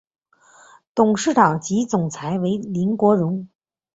董事长及总裁为林国荣。